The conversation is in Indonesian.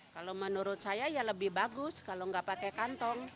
kalau menurut saya ya lebih bagus kalau nggak pakai kantong